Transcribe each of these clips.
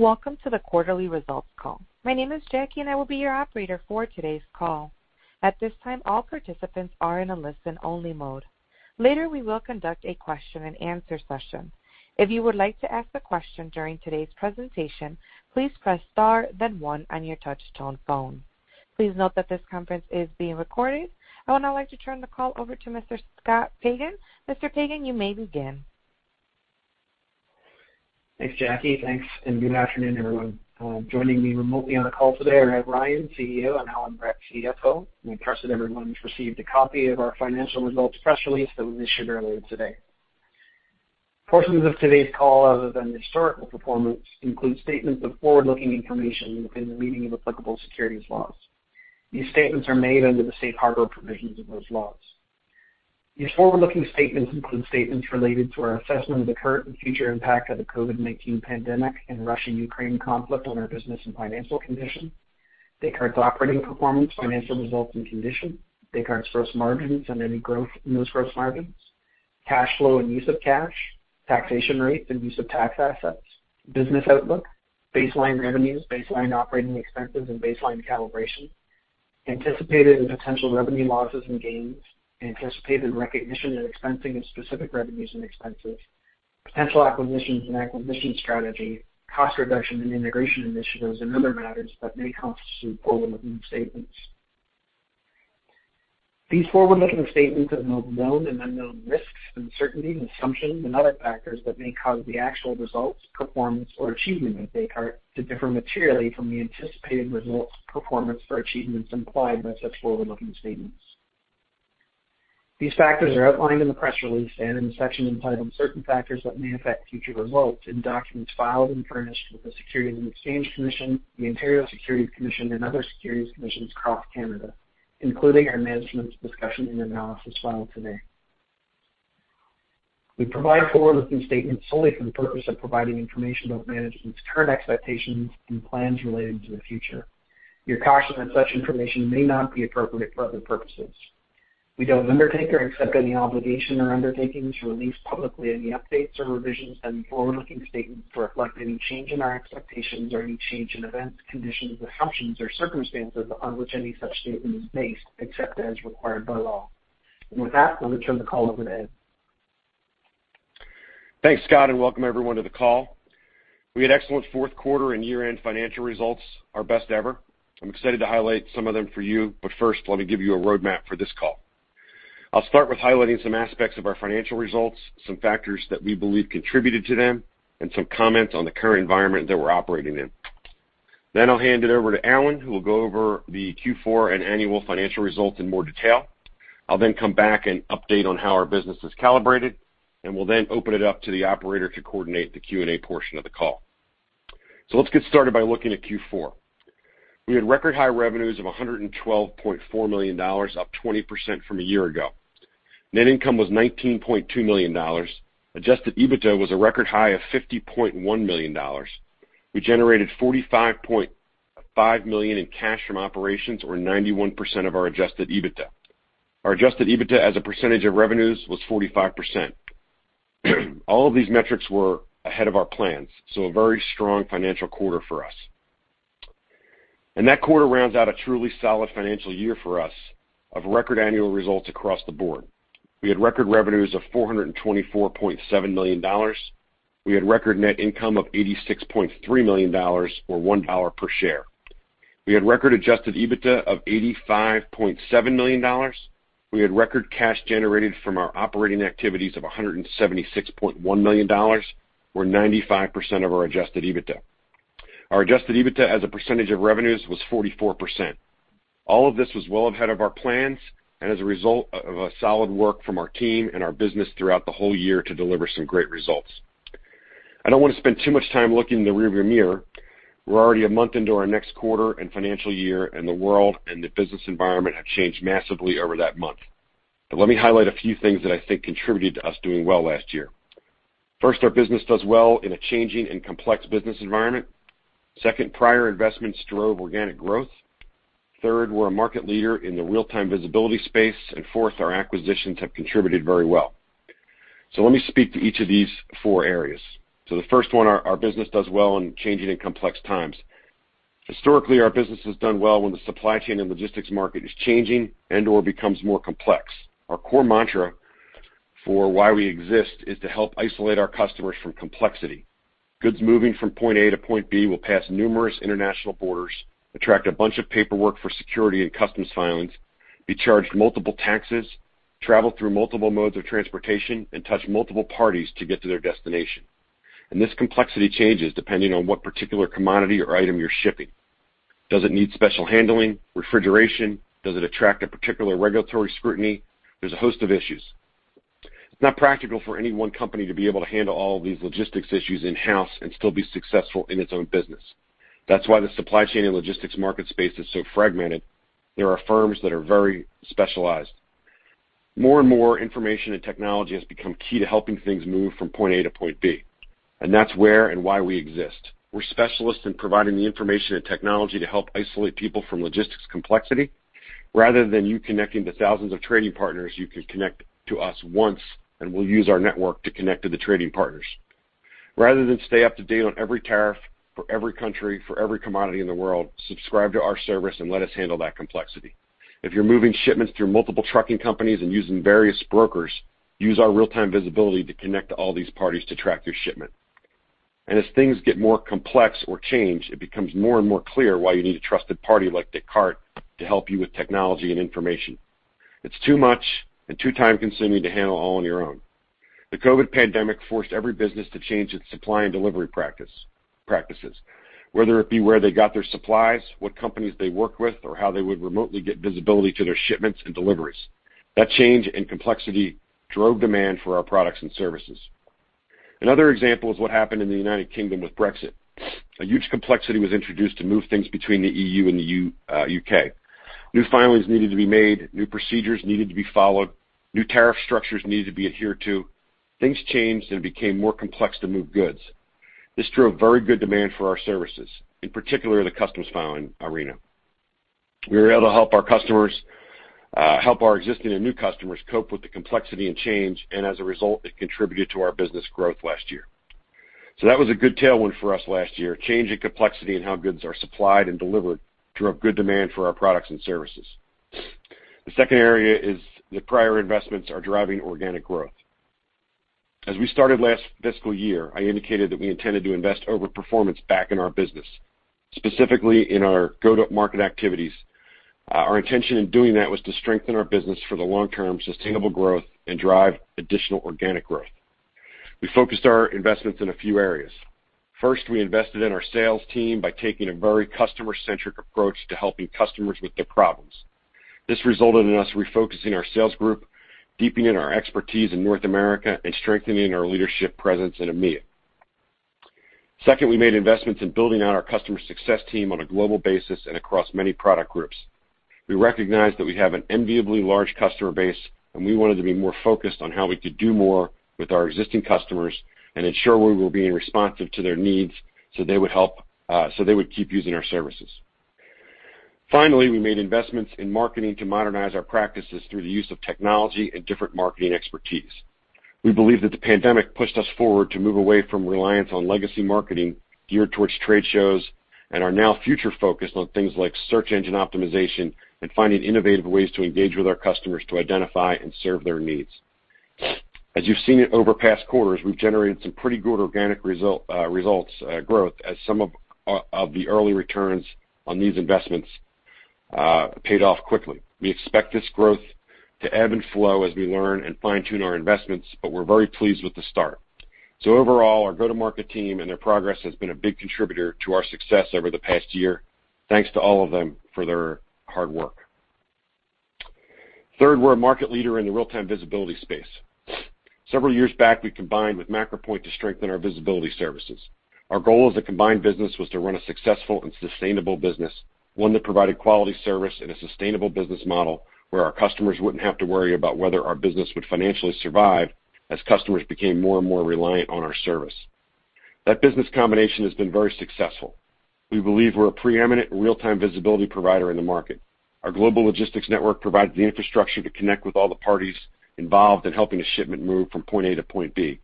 Welcome to the quarterly results call. My name is Jackie, and I will be your operator for today's call. At this time, all participants are in a listen-only mode. Later, we will conduct a question-and-answer session. If you would like to ask a question during today's presentation, please press star then one on your touch tone phone. Please note that this conference is being recorded. I would now like to turn the call over to Mr. J. Scott Pagan. Mr. Pagan, you may begin. Thanks, Jackie. Thanks, and good afternoon, everyone. Joining me remotely on the call today are Ed Ryan, CEO, and Allan Brett, CFO. We trust that everyone's received a copy of our financial results press release that we issued earlier today. Portions of today's call, other than historical performance, include statements of forward-looking information within the meaning of applicable securities laws. These statements are made under the safe harbor provisions of those laws. These forward-looking statements include statements related to our assessment of the current and future impact of the COVID-19 pandemic and Russia-Ukraine conflict on our business and financial condition, Descartes' operating performance, financial results, and condition, Descartes' gross margins and any growth in those gross margins, cash flow and use of cash, taxation rates and use of tax assets, business outlook, baseline revenues, baseline operating expenses, and baseline calibration, anticipated and potential revenue losses and gains, anticipated recognition and expensing of specific revenues and expenses, potential acquisitions and acquisition strategy, cost reduction and integration initiatives, and other matters that may constitute forward-looking statements. These forward-looking statements involve known and unknown risks, uncertainties, assumptions, and other factors that may cause the actual results, performance, or achievement at Descartes to differ materially from the anticipated results, performance, or achievements implied by such forward-looking statements. These factors are outlined in the press release and in the section entitled Certain Factors That May Affect Future Results in documents filed and furnished with the Securities and Exchange Commission, the Ontario Securities Commission, and other securities commissions across Canada, including our management's discussion and analysis filed today. We provide forward-looking statements solely for the purpose of providing information about management's current expectations and plans related to the future. We are cautious that such information may not be appropriate for other purposes. We don't undertake or accept any obligation or undertaking to release publicly any updates or revisions of any forward-looking statements to reflect any change in our expectations or any change in events, conditions, assumptions, or circumstances on which any such statement is based, except as required by law. With that, I'll turn the call over to Ed. Thanks, Scott, and welcome everyone to the call. We had excellent Q4 and year-end financial results, our best ever. I'm excited to highlight some of them for you, but first, let me give you a roadmap for this call. I'll start with highlighting some aspects of our financial results, some factors that we believe contributed to them, and some comments on the current environment that we're operating in. Then I'll hand it over to Allan, who will go over the Q4 and annual financial results in more detail. I'll then come back and update on how our business is calibrated, and we'll then open it up to the operator to coordinate the Q&A portion of the call. Let's get started by looking at Q4. We had record high revenues of $112.4 million, up 20% from a year ago. Net income was $19.2 million. Adjusted EBITDA was a record high of $50.1 million. We generated $45.5 million in cash from operations or 91% of our adjusted EBITDA. Our adjusted EBITDA as a percentage of revenues was 45%. All of these metrics were ahead of our plans. A very strong financial quarter for us. That quarter rounds out a truly solid financial year for us of record annual results across the board. We had record revenues of $424.7 million. We had record net income of $86.3 million or $1 per share. We had record adjusted EBITDA of $85.7 million. We had record cash generated from our operating activities of $176.1 million or 95% of our adjusted EBITDA. Our adjusted EBITDA as a percentage of revenues was 44%. All of this was well ahead of our plans and as a result of a solid work from our team and our business throughout the whole year to deliver some great results. I don't want to spend too much time looking in the rearview mirror. We're already a month into our next quarter and financial year, and the world and the business environment have changed massively over that month. Let me highlight a few things that I think contributed to us doing well last year. First, our business does well in a changing and complex business environment. Second, prior investments drove organic growth. Third, we're a market leader in the real-time visibility space. Fourth, our acquisitions have contributed very well. Let me speak to each of these four areas. The first one, our business does well in changing and complex times. Historically, our business has done well when the supply chain and logistics market is changing and/or becomes more complex. Our core mantra for why we exist is to help isolate our customers from complexity. Goods moving from point A to point B will pass numerous international borders, attract a bunch of paperwork for security and customs filings, be charged multiple taxes, travel through multiple modes of transportation, and touch multiple parties to get to their destination. This complexity changes depending on what particular commodity or item you're shipping. Does it need special handling, refrigeration? Does it attract a particular regulatory scrutiny? There's a host of issues. It's not practical for any one company to be able to handle all of these logistics issues in-house and still be successful in its own business. That's why the supply chain and logistics market space is so fragmented. There are firms that are very specialized. More and more information and technology has become key to helping things move from point A to point B, and that's where and why we exist. We're specialists in providing the information and technology to help isolate people from logistics complexity. Rather than you connecting to thousands of trading partners, you can connect to us once, and we'll use our network to connect to the trading partners. Rather than stay up to date on every tariff for every country, for every commodity in the world, subscribe to our service and let us handle that complexity. If you're moving shipments through multiple trucking companies and using various brokers, use our real-time visibility to connect to all these parties to track your shipment. As things get more complex or change, it becomes more and more clear why you need a trusted party like Descartes to help you with technology and information. It's too much and too time-consuming to handle all on your own. The COVID pandemic forced every business to change its supply and delivery practices, whether it be where they got their supplies, what companies they work with, or how they would remotely get visibility to their shipments and deliveries. That change in complexity drove demand for our products and services. Another example is what happened in the United Kingdom with Brexit. A huge complexity was introduced to move things between the EU and the U.K. New filings needed to be made, new procedures needed to be followed, new tariff structures needed to be adhered to. Things changed and became more complex to move goods. This drove very good demand for our services, in particular, the customs filing arena. We were able to help our customers help our existing and new customers cope with the complexity and change, and as a result, it contributed to our business growth last year. That was a good tailwind for us last year. Change in complexity in how goods are supplied and delivered drove good demand for our products and services. The second area is the prior investments are driving organic growth. As we started last fiscal year, I indicated that we intended to invest overperformance back in our business, specifically in our go-to-market activities. Our intention in doing that was to strengthen our business for the long-term sustainable growth and drive additional organic growth. We focused our investments in a few areas. First, we invested in our sales team by taking a very customer-centric approach to helping customers with their problems. This resulted in us refocusing our sales group, deepening our expertise in North America, and strengthening our leadership presence in EMEA. Second, we made investments in building out our customer success team on a global basis and across many product groups. We recognized that we have an enviably large customer base, and we wanted to be more focused on how we could do more with our existing customers and ensure we were being responsive to their needs, so they would keep using our services. Finally, we made investments in marketing to modernize our practices through the use of technology and different marketing expertise. We believe that the pandemic pushed us forward to move away from reliance on legacy marketing geared towards trade shows and are now future-focused on things like Search Engine Optimization and finding innovative ways to engage with our customers to identify and serve their needs. As you've seen it over past quarters, we've generated some pretty good organic results growth as some of the early returns on these investments paid off quickly. We expect this growth to ebb and flow as we learn and fine-tune our investments, but we're very pleased with the start. Overall, our go-to-market team and their progress has been a big contributor to our success over the past year. Thanks to all of them for their hard work. Third, we're a market leader in the real-time visibility space. Several years back, we combined with MacroPoint to strengthen our visibility services. Our goal as a combined business was to run a successful and sustainable business, one that provided quality service and a sustainable business model where our customers wouldn't have to worry about whether our business would financially survive as customers became more and more reliant on our service. That business combination has been very successful. We believe we're a preeminent real-time visibility provider in the market. Our global logistics network provides the infrastructure to connect with all the parties involved in helping a shipment move from point A to point B,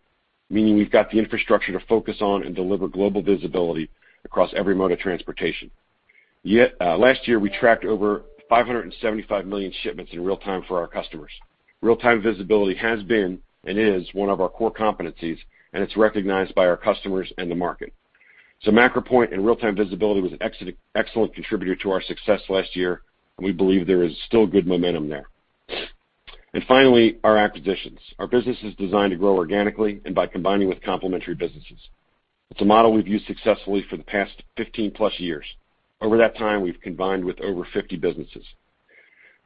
meaning we've got the infrastructure to focus on and deliver global visibility across every mode of transportation. Yet, last year, we tracked over $575 million shipments in real time for our customers. Real-time visibility has been and is one of our core competencies, and it's recognized by our customers and the market. MacroPoint and real-time visibility was an excellent contributor to our success last year, and we believe there is still good momentum there. Finally, our acquisitions. Our business is designed to grow organically and by combining with complementary businesses. It's a model we've used successfully for the past 15+ years. Over that time, we've combined with over 50 businesses.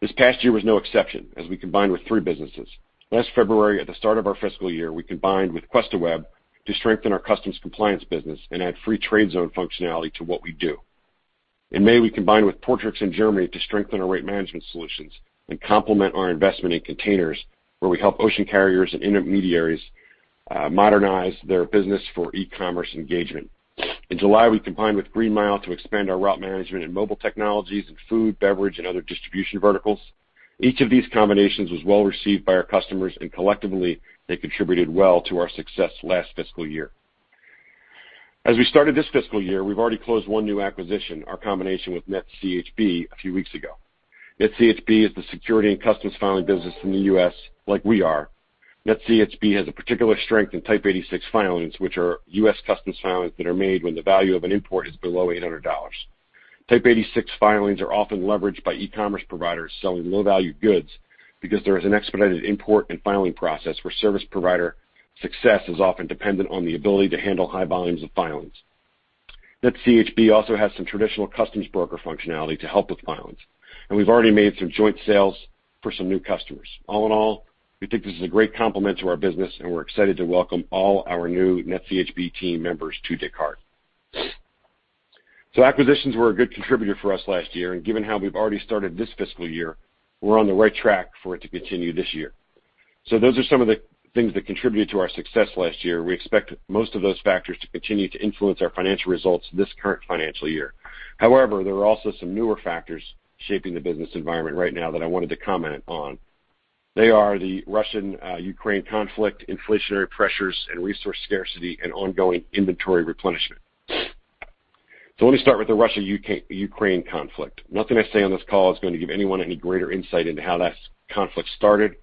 This past year was no exception, as we combined with three businesses. Last February, at the start of our fiscal year, we combined with QuestaWeb to strengthen our customs compliance business and add free trade zone functionality to what we do. In May, we combined with Portrix in Germany to strengthen our rate management solutions and complement our investment in containers, where we help ocean carriers and intermediaries modernize their business for e-commerce engagement. In July, we combined with GreenMile to expand our route management and mobile technologies in food, beverage, and other distribution verticals. Each of these combinations was well received by our customers, and collectively, they contributed well to our success last fiscal year. As we started this fiscal year, we've already closed one new acquisition, our combination with NetCHB, a few weeks ago. NetCHB is the security and customs filing business in the U.S. like we are. NetCHB has a particular strength in Type 86 filings, which are U.S. customs filings that are made when the value of an import is below $800. Type 86 filings are often leveraged by e-commerce providers selling low-value goods because there is an expedited import and filing process where service provider success is often dependent on the ability to handle high volumes of filings. NetCHB also has some traditional customs broker functionality to help with filings, and we've already made some joint sales for some new customers. All in all, we think this is a great complement to our business, and we're excited to welcome all our new NetCHB team members to Descartes. Acquisitions were a good contributor for us last year, and given how we've already started this fiscal year, we're on the right track for it to continue this year. Those are some of the things that contributed to our success last year. We expect most of those factors to continue to influence our financial results this current financial year. However, there are also some newer factors shaping the business environment right now that I wanted to comment on. They are the Russian Ukraine conflict, inflationary pressures and resource scarcity, and ongoing inventory replenishment. Let me start with the Russia-Ukraine conflict. Nothing I say on this call is going to give anyone any greater insight into how that conflict started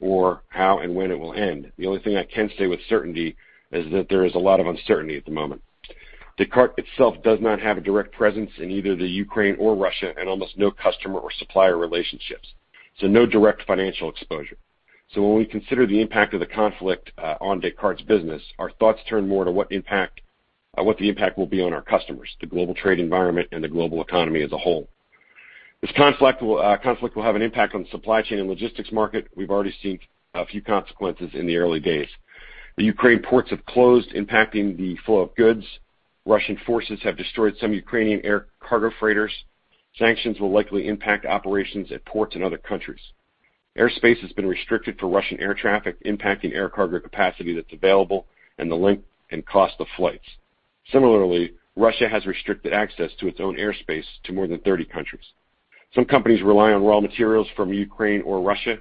or how and when it will end. The only thing I can say with certainty is that there is a lot of uncertainty at the moment. Descartes itself does not have a direct presence in either the Ukraine or Russia and almost no customer or supplier relationships, so no direct financial exposure. When we consider the impact of the conflict on Descartes' business, our thoughts turn more to what the impact will be on our customers, the global trade environment, and the global economy as a whole. This conflict will have an impact on supply chain and logistics market. We've already seen a few consequences in the early days. Ukrainian ports have closed, impacting the flow of goods. Russian forces have destroyed some Ukrainian air cargo freighters. Sanctions will likely impact operations at ports in other countries. Airspace has been restricted for Russian air traffic, impacting air cargo capacity that's available and the length and cost of flights. Similarly, Russia has restricted access to its own airspace to more than 30 countries. Some companies rely on raw materials from Ukraine or Russia,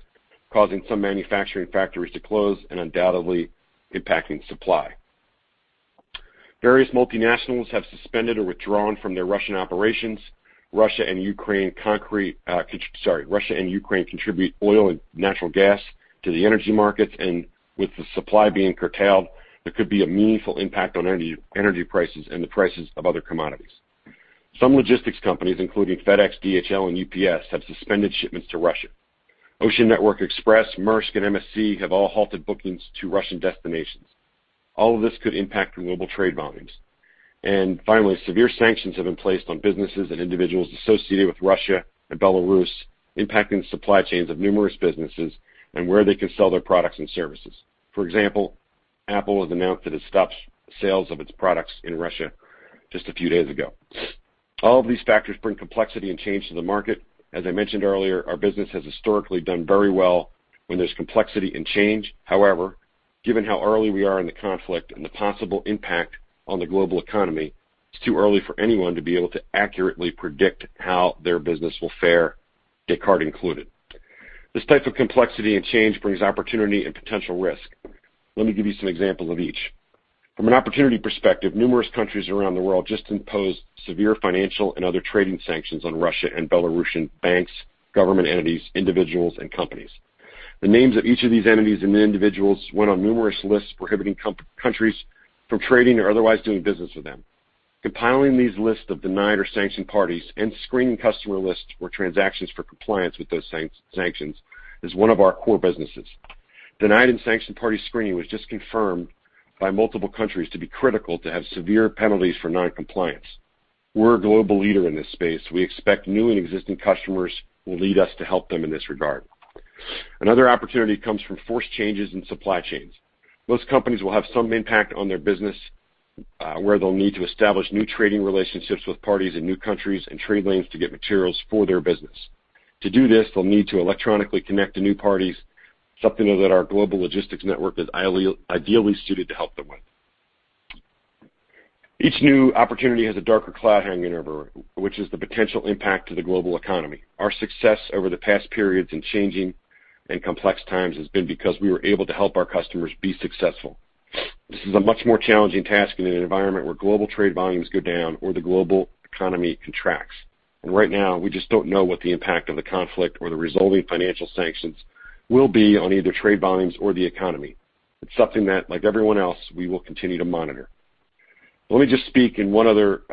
causing some manufacturing factories to close and undoubtedly impacting supply. Various multinationals have suspended or withdrawn from their Russian operations. Russia and Ukraine contribute oil and natural gas to the energy markets, and with the supply being curtailed, there could be a meaningful impact on energy prices and the prices of other commodities. Some logistics companies, including FedEx, DHL, and UPS, have suspended shipments to Russia. Ocean Network Express, Maersk, and MSC have all halted bookings to Russian destinations. All of this could impact global trade volumes. Finally, severe sanctions have been placed on businesses and individuals associated with Russia and Belarus, impacting the supply chains of numerous businesses and where they can sell their products and services. For example, Apple has announced that it stops sales of its products in Russia just a few days ago. All of these factors bring complexity and change to the market. As I mentioned earlier, our business has historically done very well when there's complexity and change. However, given how early we are in the conflict and the possible impact on the global economy, it's too early for anyone to be able to accurately predict how their business will fare, Descartes included. This type of complexity and change brings opportunity and potential risk. Let me give you some examples of each. From an opportunity perspective, numerous countries around the world just imposed severe financial and other trading sanctions on Russia and Belarusian banks, government entities, individuals, and companies. The names of each of these entities and the individuals went on numerous lists prohibiting countries from trading or otherwise doing business with them. Compiling these lists of denied and sanctioned parties and screening customer lists or transactions for compliance with those sanctions is one of our core businesses. Denied and sanctioned party screening was just confirmed by multiple countries to be critical to have severe penalties for non-compliance. We're a global leader in this space. We expect new and existing customers will lead us to help them in this regard. Another opportunity comes from forced changes in supply chains. Most companies will have some impact on their business, where they'll need to establish new trading relationships with parties in new countries and trade lanes to get materials for their business. To do this, they'll need to electronically connect to new parties, something that our Global Logistics Network is ideally suited to help them with. Each new opportunity has a darker cloud hanging over it, which is the potential impact to the global economy. Our success over the past periods in changing and complex times has been because we were able to help our customers be successful. This is a much more challenging task in an environment where global trade volumes go down or the global economy contracts. Right now, we just don't know what the impact of the conflict or the resulting financial sanctions will be on either trade volumes or the economy. It's something that, like everyone else, we will continue to monitor. Let me just speak in one other,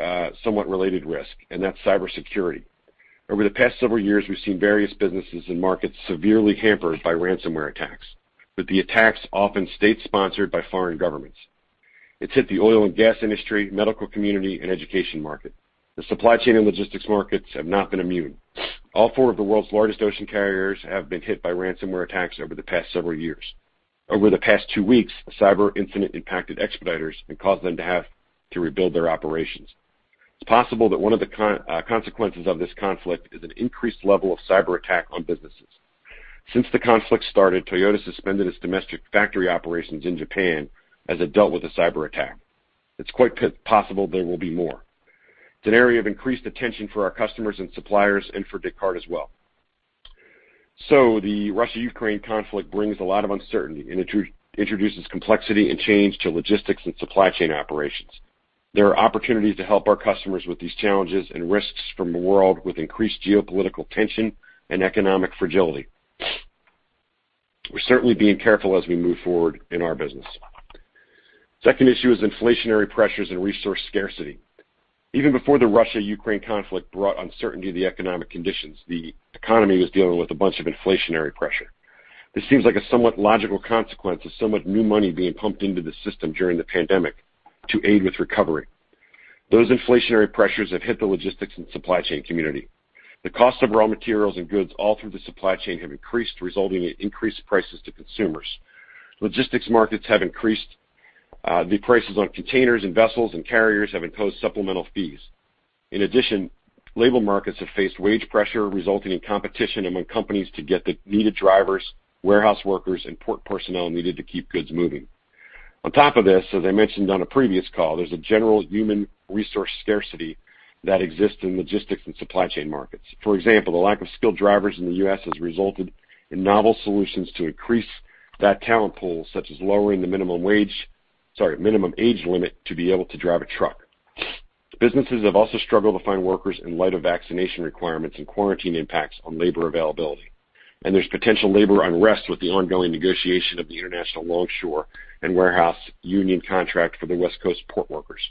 somewhat related risk, and that's cybersecurity. Over the past several years, we've seen various businesses and markets severely hampered by ransomware attacks, with the attacks often state-sponsored by foreign governments. It's hit the oil and gas industry, medical community, and education market. The supply chain and logistics markets have not been immune. All four of the world's largest ocean carriers have been hit by ransomware attacks over the past several years. Over the past two weeks, a cyber incident impacted Expeditors and caused them to have to rebuild their operations. It's possible that one of the consequences of this conflict is an increased level of cyberattack on businesses. Since the conflict started, Toyota suspended its domestic factory operations in Japan as it dealt with a cyberattack. It's quite possible there will be more. It's an area of increased attention for our customers and suppliers and for Descartes as well. The Russia-Ukraine conflict brings a lot of uncertainty and introduces complexity and change to logistics and supply chain operations. There are opportunities to help our customers with these challenges and risks from a world with increased geopolitical tension and economic fragility. We're certainly being careful as we move forward in our business. Second issue is inflationary pressures and resource scarcity. Even before the Russia-Ukraine conflict brought uncertainty to the economic conditions, the economy was dealing with a bunch of inflationary pressure. This seems like a somewhat logical consequence of somewhat new money being pumped into the system during the pandemic to aid with recovery. Those inflationary pressures have hit the logistics and supply chain community. The cost of raw materials and goods all through the supply chain have increased, resulting in increased prices to consumers. Logistics markets have increased. The prices on containers and vessels and carriers have imposed supplemental fees. In addition, labor markets have faced wage pressure resulting in competition among companies to get the needed drivers, warehouse workers, and port personnel needed to keep goods moving. On top of this, as I mentioned on a previous call, there's a general human resource scarcity that exists in logistics and supply chain markets. For example, the lack of skilled drivers in the U.S. has resulted in novel solutions to increase that talent pool, such as lowering the minimum age limit to be able to drive a truck. Businesses have also struggled to find workers in light of vaccination requirements and quarantine impacts on labor availability. There's potential labor unrest with the ongoing negotiation of the International Longshore and Warehouse Union contract for the West Coast port workers.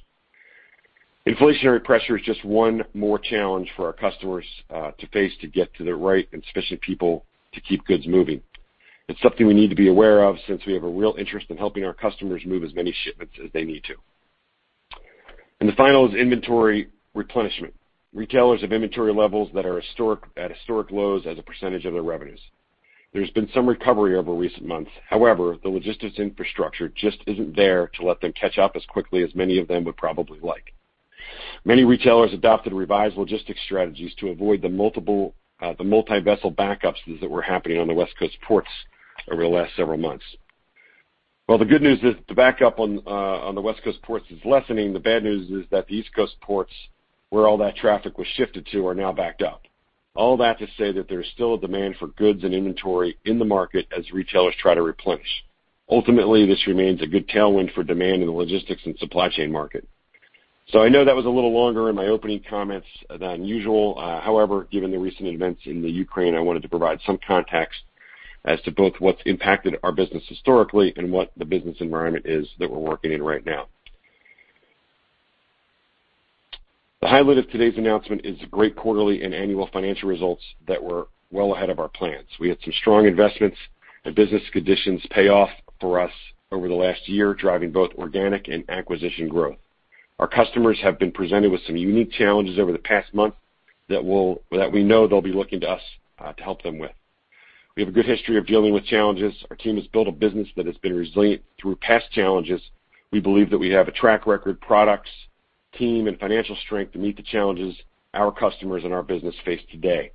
Inflationary pressure is just one more challenge for our customers to face to get to the right and sufficient people to keep goods moving. It's something we need to be aware of since we have a real interest in helping our customers move as many shipments as they need to. The final is inventory replenishment. Retailers have inventory levels that are at historic lows as a percentage of their revenues. There's been some recovery over recent months. However, the logistics infrastructure just isn't there to let them catch up as quickly as many of them would probably like. Many retailers adopted revised logistics strategies to avoid the multi-vessel backups that were happening on the West Coast ports over the last several months. The good news is the backup on the West Coast ports is lessening. The bad news is that the East Coast ports, where all that traffic was shifted to, are now backed up. All that to say that there's still a demand for goods and inventory in the market as retailers try to replenish. Ultimately, this remains a good tailwind for demand in the logistics and supply chain market. I know that was a little longer in my opening comments than usual. However, given the recent events in the Ukraine, I wanted to provide some context as to both what's impacted our business historically and what the business environment is that we're working in right now. The highlight of today's announcement is great quarterly and annual financial results that were well ahead of our plans. We had some strong investments and business conditions pay off for us over the last year, driving both organic and acquisition growth. Our customers have been presented with some unique challenges over the past month that we know they'll be looking to us to help them with. We have a good history of dealing with challenges. Our team has built a business that has been resilient through past challenges. We believe that we have a track record, products, team, and financial strength to meet the challenges our customers and our business face today.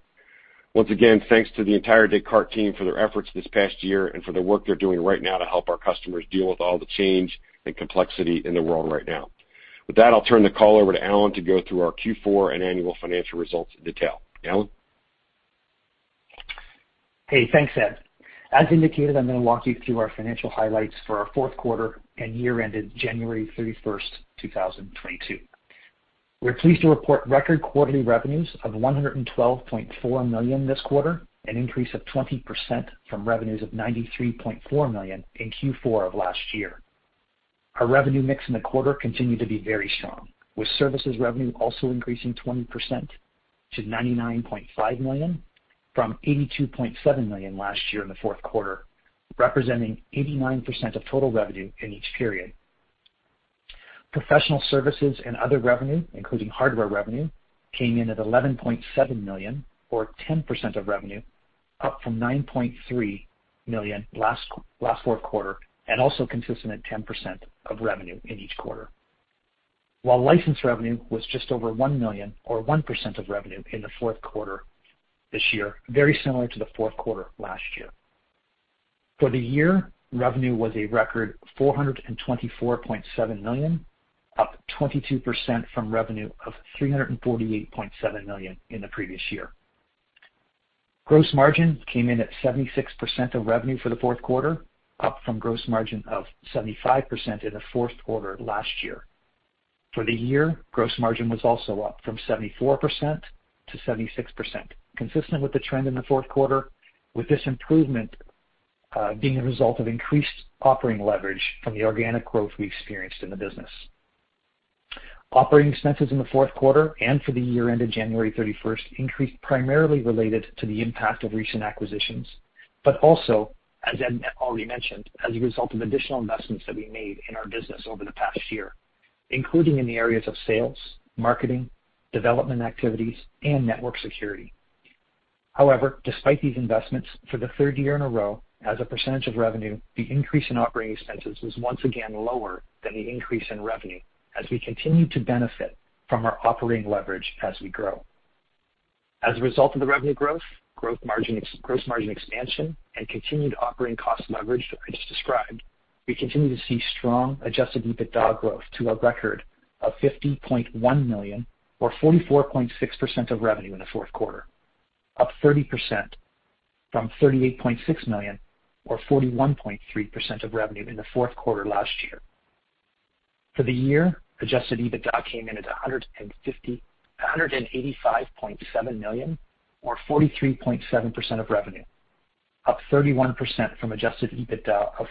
Once again, thanks to the entire Descartes team for their efforts this past year and for the work they're doing right now to help our customers deal with all the change and complexity in the world right now. With that, I'll turn the call over to Allan to go through our Q4 and annual financial results in detail. Allan? Hey, thanks, Ed. As indicated, I'm gonna walk you through our financial highlights for our Q4 and year ended January 31, 2022. We're pleased to report record quarterly revenues of $112.4 million this quarter, an increase of 20% from revenues of $93.4 million in Q4 of last year. Our revenue mix in the quarter continued to be very strong, with services revenue also increasing 20% to $99.5 million from $82.7 million last year in the Q4, representing 89% of total revenue in each period. Professional services and other revenue, including hardware revenue, came in at $11.7 million or 10% of revenue, up from $9.3 million last Q4, and also consistent at 10% of revenue in each quarter. While license revenue was just over $1 million or 1% of revenue in the Q4 this year, very similar to the Q4 last year. For the year, revenue was a record $424.7 million, up 22% from revenue of $348.7 million in the previous year. Gross margin came in at 76% of revenue for the Q4, up from gross margin of 75% in the Q4 last year. For the year, gross margin was also up from 74% to 76%, consistent with the trend in the Q4, with this improvement being a result of increased operating leverage from the organic growth we experienced in the business. Operating expenses in the Q4 and for the year ended January 31, increased primarily related to the impact of recent acquisitions, but also, as Ed already mentioned, as a result of additional investments that we made in our business over the past year, including in the areas of sales, marketing, development activities, and network security. However, despite these investments, for the third year in a row, as a percentage of revenue, the increase in operating expenses was once again lower than the increase in revenue as we continue to benefit from our operating leverage as we grow. As a result of the revenue growth, gross margin expansion, and continued operating cost leverage that I just described, we continue to see strong adjusted EBITDA growth to a record of $50.1 million or 44.6% of revenue in the Q4, up 30% from $38.6 million or 41.3% of revenue in the Q4 last year. For the year, adjusted EBITDA came in at $185.7 million or 43.7% of revenue, up 31% from adjusted EBITDA of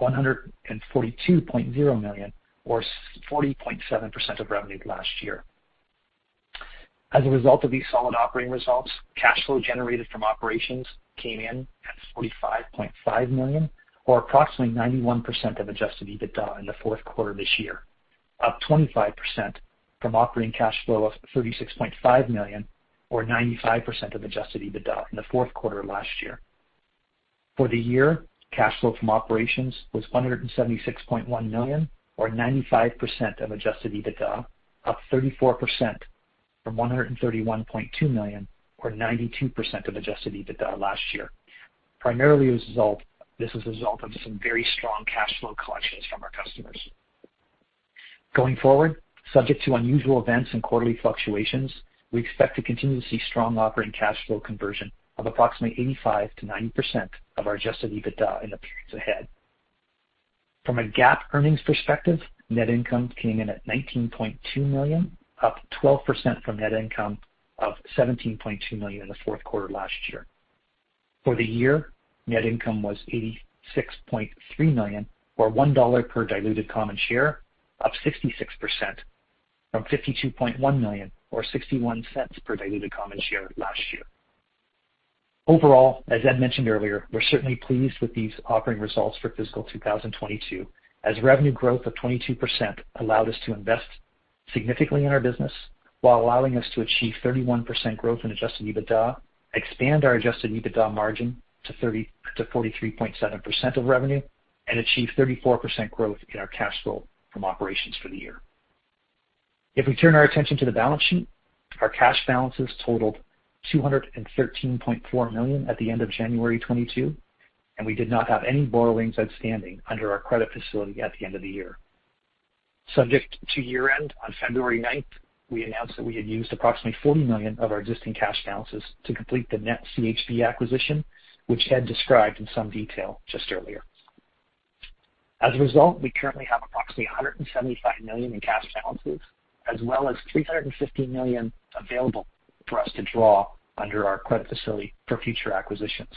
$142.0 million or 40.7% of revenue last year. As a result of these solid operating results, cash flow generated from operations came in at $45.5 million or approximately 91% of adjusted EBITDA in the Q4 this year, up 25% from operating cash flow of $36.5 million or 95% of adjusted EBITDA in the Q4 last year. For the year, cash flow from operations was $176.1 million, or 95% of adjusted EBITDA, up 34% from $131.2 million, or 92% of adjusted EBITDA last year. Primarily, this is a result of some very strong cash flow collections from our customers. Going forward, subject to unusual events and quarterly fluctuations, we expect to continue to see strong operating cash flow conversion of approximately 85%-90% of our adjusted EBITDA in the periods ahead. From a GAAP earnings perspective, net income came in at $19.2 million, up 12% from net income of $17.2 million in the Q4 last year. For the year, net income was $86.3 million, or $1 per diluted common share, up 66% from $52.1 million, or $0.61 per diluted common share last year. Overall, as Ed mentioned earlier, we're certainly pleased with these operating results for fiscal 2022, as revenue growth of 22% allowed us to invest significantly in our business while allowing us to achieve 31% growth in adjusted EBITDA, expand our adjusted EBITDA margin to 43.7% of revenue, and achieve 34% growth in our cash flow from operations for the year. If we turn our attention to the balance sheet, our cash balances totaled $213.4 million at the end of January 2022, and we did not have any borrowings outstanding under our credit facility at the end of the year. Subsequent to year-end, on February 9, we announced that we had used approximately $40 million of our existing cash balances to complete the NetCHB acquisition, which Ed described in some detail just earlier. As a result, we currently have approximately $175 million in cash balances, as well as $350 million available for us to draw under our credit facility for future acquisitions.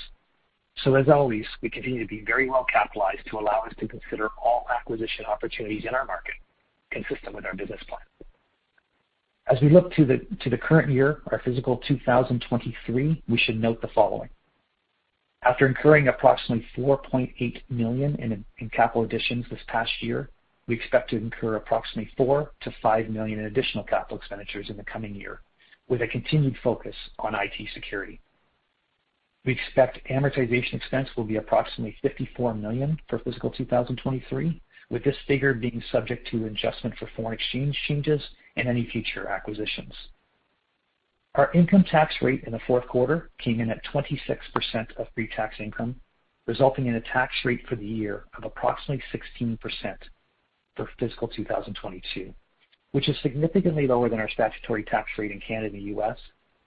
As always, we continue to be very well capitalized to allow us to consider all acquisition opportunities in our market consistent with our business plan. As we look to the current year, our fiscal 2023, we should note the following. After incurring approximately $4.8 million in capital additions this past year, we expect to incur approximately $4 million to $5 million in additional capital expenditures in the coming year, with a continued focus on IT security. We expect amortization expense will be approximately $54 million for fiscal 2023, with this figure being subject to adjustment for foreign exchange changes and any future acquisitions. Our income tax rate in the Q4 came in at 26% of pre-tax income, resulting in a tax rate for the year of approximately 16% for fiscal 2022, which is significantly lower than our statutory tax rate in Canada and the U.S.,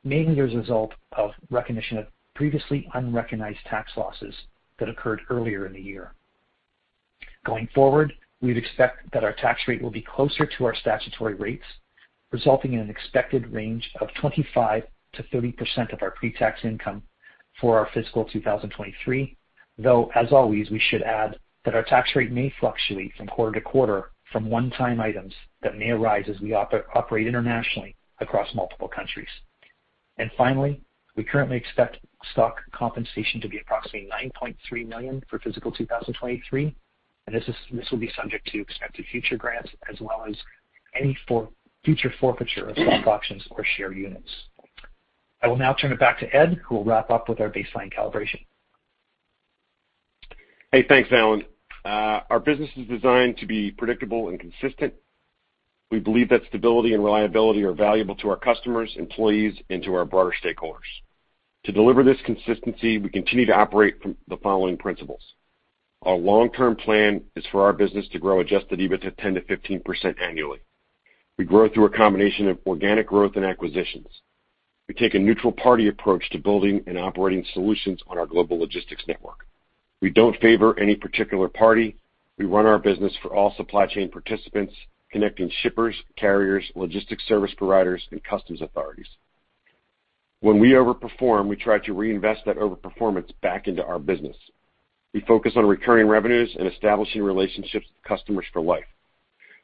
mainly as a result of recognition of previously unrecognized tax losses that occurred earlier in the year. Going forward, we'd expect that our tax rate will be closer to our statutory rates, resulting in an expected range of 25% to 30% of our pre-tax income for our fiscal 2023. Though, as always, we should add that our tax rate may fluctuate from quarter to quarter from one-time items that may arise as we operate internationally across multiple countries. Finally, we currently expect stock compensation to be approximately $9.3 million for fiscal 2023, and this will be subject to expected future grants as well as any future forfeiture of stock options or share units. I will now turn it back to Ed, who will wrap up with our baseline calibration. Hey, thanks, Allan. Our business is designed to be predictable and consistent. We believe that stability and reliability are valuable to our customers, employees, and to our broader stakeholders. To deliver this consistency, we continue to operate from the following principles. Our long-term plan is for our business to grow adjusted EBITDA to 10%-15% annually. We grow through a combination of organic growth and acquisitions. We take a neutral party approach to building and operating solutions on our global logistics network. We don't favor any particular party. We run our business for all supply chain participants, connecting shippers, carriers, logistics service providers, and customs authorities. When we overperform, we try to reinvest that overperformance back into our business. We focus on recurring revenues and establishing relationships with customers for life.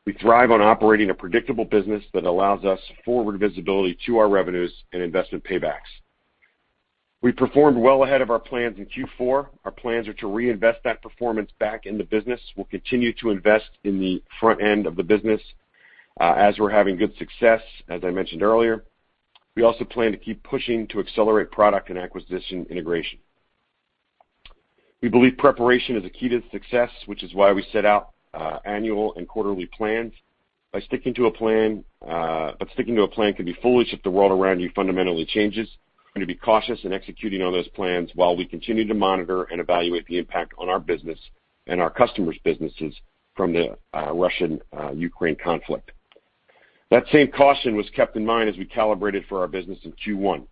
We thrive on operating a predictable business that allows us forward visibility to our revenues and investment paybacks. We performed well ahead of our plans in Q4. Our plans are to reinvest that performance back in the business. We'll continue to invest in the front end of the business, as we're having good success, as I mentioned earlier. We also plan to keep pushing to accelerate product and acquisition integration. We believe preparation is a key to success, which is why we set out annual and quarterly plans. By sticking to a plan, but sticking to a plan can be foolish if the world around you fundamentally changes. We're going to be cautious in executing on those plans while we continue to monitor and evaluate the impact on our business and our customers' businesses from the Russian Ukraine conflict. That same caution was kept in mind as we calibrated for our business in Q1.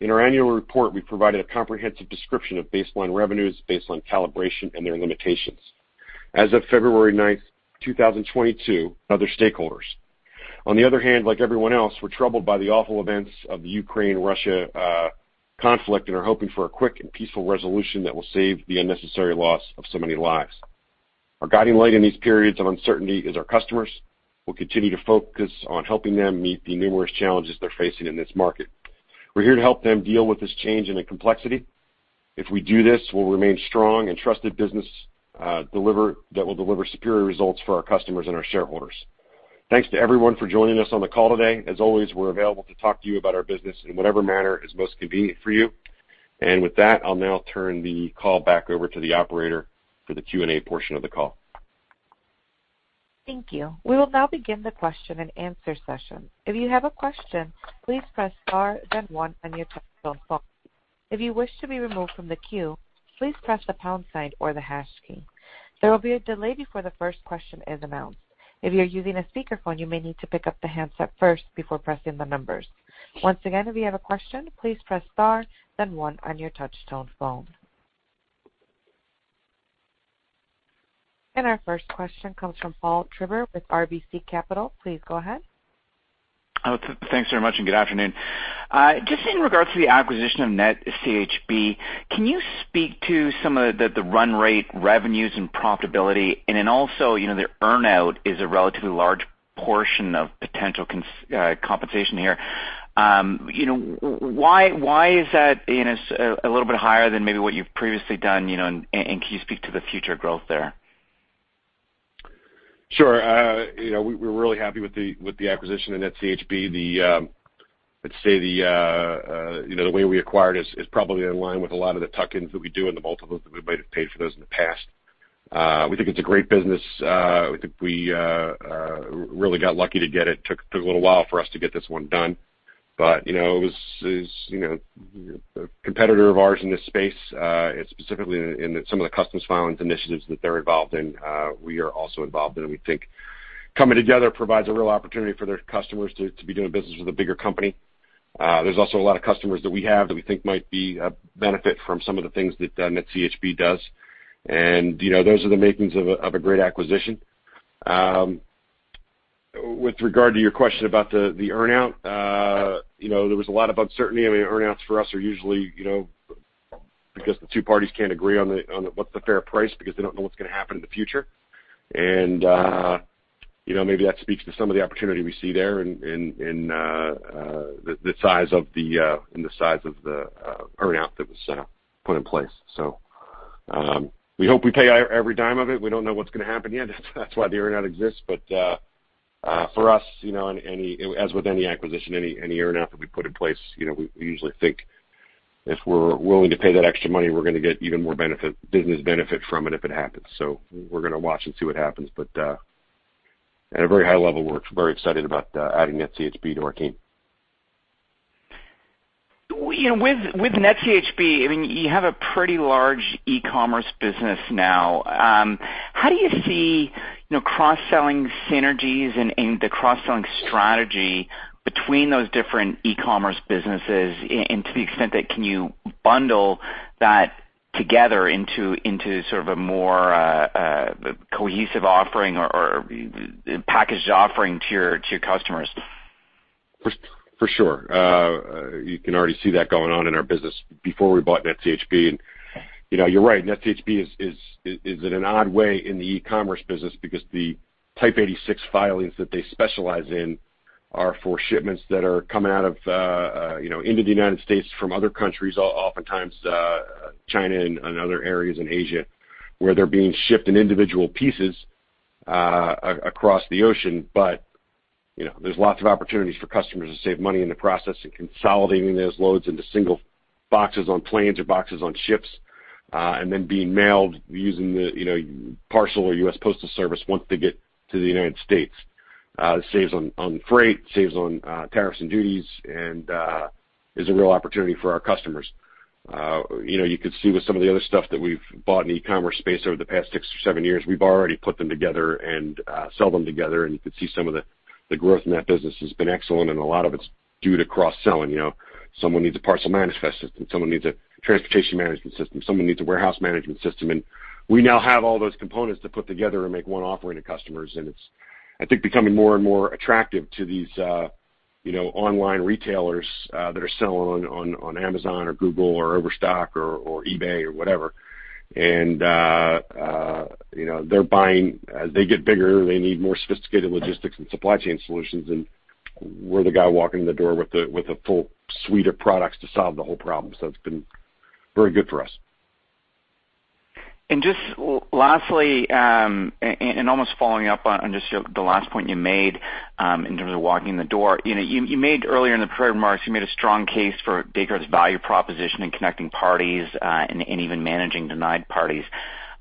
In our annual report, we provided a comprehensive description of baseline revenues based on calibration and their limitations. As of February 9, 2022, other stakeholders. On the other hand, like everyone else, we're troubled by the awful events of the Ukraine-Russia conflict and are hoping for a quick and peaceful resolution that will save the unnecessary loss of so many lives. Our guiding light in these periods of uncertainty is our customers. We'll continue to focus on helping them meet the numerous challenges they're facing in this market. We're here to help them deal with this change and the complexity. If we do this, we'll remain strong and trusted business that will deliver superior results for our customers and our shareholders. Thanks to everyone for joining us on the call today. As always, we're available to talk to you about our business in whatever manner is most convenient for you. With that, I'll now turn the call back over to the operator for the Q&A portion of the call. Thank you. We will now begin the question-and-answer session. If you have a question, please press star then one on your touchtone phone. If you wish to be removed from the queue, please press the pound sign or the hash key. There will be a delay before the first question is announced. If you're using a speakerphone, you may need to pick up the handset first before pressing the numbers. Once again, if you have a question, please press star then one on your touchtone phone. Our first question comes from Paul Treiber with RBC Capital. Please go ahead. Oh, thanks very much, and good afternoon. Just in regards to the acquisition of NetCHB, can you speak to some of the run rate revenues and profitability? Then also, you know, the earn-out is a relatively large portion of potential compensation here. You know, why is that a little bit higher than maybe what you've previously done, you know, and can you speak to the future growth there? Sure. You know, we're really happy with the acquisition of NetCHB. Let's say the way we acquired is probably in line with a lot of the tuck-ins that we do and the multiples that we might have paid for those in the past. We think it's a great business. We really got lucky to get it. Took a little while for us to get this one done. You know, it is a competitor of ours in this space, and specifically in some of the customs filings initiatives that they're involved in, we are also involved in. We think coming together provides a real opportunity for their customers to be doing business with a bigger company. There's also a lot of customers that we have that we think might be a benefit from some of the things that NetCHB does. You know, those are the makings of a great acquisition. With regard to your question about the earn-out, you know, there was a lot of uncertainty. I mean, earn-outs for us are usually, you know, because the two parties can't agree on what the fair price because they don't know what's gonna happen in the future. You know, maybe that speaks to some of the opportunity we see there in the size of the earn-out that was put in place. We hope we pay every dime of it. We don't know what's gonna happen yet. That's why the earn-out exists. For us, you know, as with any acquisition, any earn-out that we put in place, you know, we usually think if we're willing to pay that extra money, we're gonna get even more benefit, business benefit from it if it happens. We're gonna watch and see what happens. At a very high level, we're very excited about adding NetCHB to our team. You know, with NetCHB, I mean, you have a pretty large e-commerce business now. How do you see, you know, cross-selling synergies and the cross-selling strategy between those different e-commerce businesses, and to the extent that can you bundle that together into sort of a more cohesive offering or package offering to your customers? For sure. You can already see that going on in our business before we bought NetCHB. You know, you're right. NetCHB is in an odd way in the e-commerce business because the Type 86 filings that they specialize in are for shipments that are coming into the United States from other countries, oftentimes China and other areas in Asia, where they're being shipped in individual pieces across the ocean. You know, there's lots of opportunities for customers to save money in the process in consolidating those loads into single boxes on planes or boxes on ships, and then being mailed using the parcel or United States Postal Service once they get to the United States. It saves on freight, saves on tariffs and duties, and is a real opportunity for our customers. You know, you could see with some of the other stuff that we've bought in the e-commerce space over the past six or seven years, we've already put them together and sell them together. You could see some of the growth in that business has been excellent, and a lot of it's due to cross-selling. You know, someone needs a parcel manifest system, someone needs a transportation management system, someone needs a warehouse management system. We now have all those components to put together and make one offering to customers, and it's, I think, becoming more and more attractive to these, you know, online retailers that are selling on Amazon or Google or Overstock or eBay or whatever. You know, as they get bigger, they need more sophisticated logistics and supply chain solutions, and we're the guy walking in the door with the full suite of products to solve the whole problem. It's been very good for us. Just lastly, almost following up on just the last point you made, in terms of walking in the door. You know, you made earlier in the prepared remarks a strong case for Descartes' value proposition in connecting parties, even managing denied parties.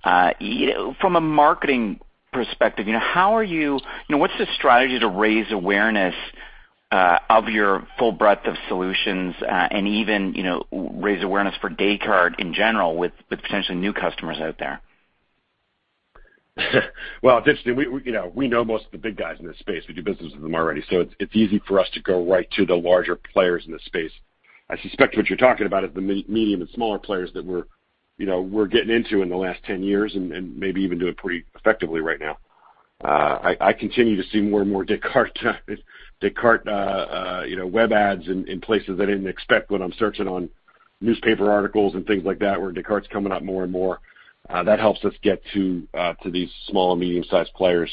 From a marketing perspective, you know, what's the strategy to raise awareness of your full breadth of solutions, even raise awareness for Descartes in general with potentially new customers out there? Well, it's interesting. We, you know, we know most of the big guys in this space. We do business with them already, so it's easy for us to go right to the larger players in this space. I suspect what you're talking about is the medium and smaller players that we're, you know, getting into in the last 10 years and maybe even do it pretty effectively right now. I continue to see more and more Descartes, you know, web ads in places I didn't expect when I'm searching on newspaper articles and things like that, where Descartes' coming up more and more. That helps us get to these small and medium-sized players.